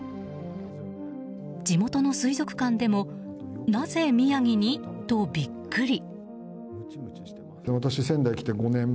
地元の水族館でもなぜ宮城に？とビックリ。